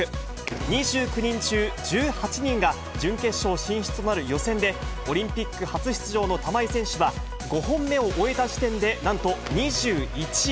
２９人中１８人が準決勝進出となる予選で、オリンピック初出場の玉井選手は、５本目を終えた時点でなんと２１位。